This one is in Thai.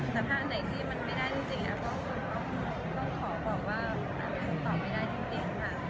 สัมภาษณ์ไหนที่มันไม่ได้จริงแอฟต้องขอบอกว่าแอฟตอบไม่ได้จริงค่ะ